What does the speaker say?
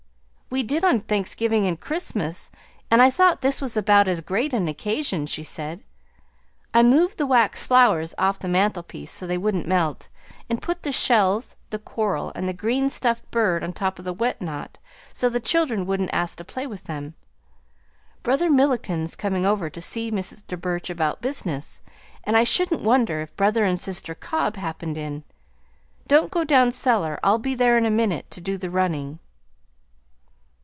"We did on Thanksgiving and Christmas, and I thought this was about as great an occasion," she said. "I moved the wax flowers off the mantelpiece so they wouldn't melt, and put the shells, the coral, and the green stuffed bird on top of the what not, so the children wouldn't ask to play with them. Brother Milliken's coming over to see Mr. Burch about business, and I shouldn't wonder if Brother and Sister Cobb happened in. Don't go down cellar, I'll be there in a minute to do the running."